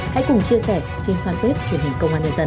hãy cùng chia sẻ trên fanpage truyền hình công an nhân dân